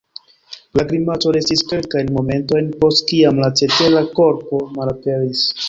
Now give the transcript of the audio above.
La grimaco restis kelkajn momentojn post kiam la cetera korpo malaperis.